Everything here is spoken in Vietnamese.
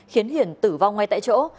khiến hiển tử vong ngay tại chỗ